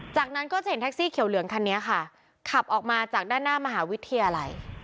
จากนั้นก็จะเห็นแท็กซี่เขียวเหลืองคันนี้ค่ะขับออกมาจากด้านหน้ามหาวิทยาลัย